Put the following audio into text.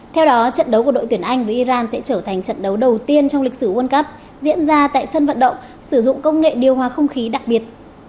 theo đó trận đấu của đội tuyển anh với iran sẽ trở thành trận đấu đầu tiên trong lịch sử world cup diễn ra tại sân vận động sử dụng công nghệ điều hòa không khí đặc biệt